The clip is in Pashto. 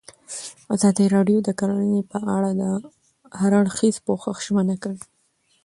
ازادي راډیو د کرهنه په اړه د هر اړخیز پوښښ ژمنه کړې.